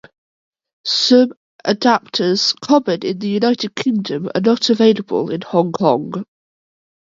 Some adaptors common in the United Kingdom are not available in Hong Kong.